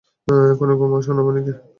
এখন ঘুমাও, সোনামণি ওকে?